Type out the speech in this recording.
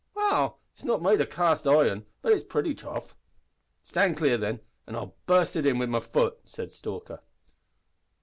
"Well, it's not made o' cast iron, but it's pretty tough." "Stand clear, then, an' I'll burst it in wi' my foot," said Stalker.